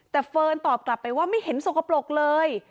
แต่เฟิร์นตอบกลับไปว่าไม่เห็นสกปรกเลย